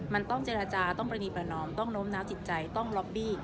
มันต้องเจรจาต้องปรณีประนอมต้องโน้มน้าวจิตใจต้องล็อบบี้